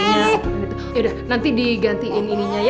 yaudah nanti digantiin ininya ya